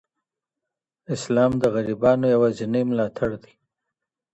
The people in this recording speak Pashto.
اسلام د غريبانو يواځينی ملاتړ دی.